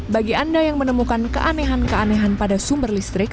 bagi anda yang menemukan keanehan keanehan pada sumber listrik